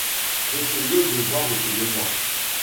J’essayai de voir autour de moi.